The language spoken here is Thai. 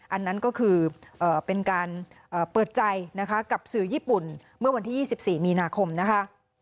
อันนั้นก็คือเป็นการเปิดใจนะคะกับสื่อญี่ปุ่นเมื่อวันที่๒๔มีนาคมนะคะ